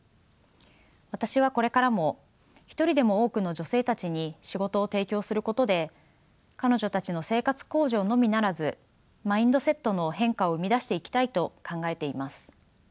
私はこれからも一人でも多くの女性たちに仕事を提供することで彼女たちの生活向上のみならずマインドセットの変化を生み出していきたいと考えています。